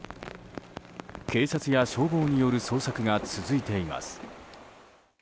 警察や消防による捜索が続いています。